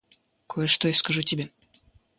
Кое-что я скажу тебе.